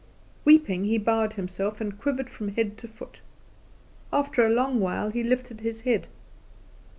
Weeping he bowed himself, and quivered from head to foot. After a long while he lifted his head.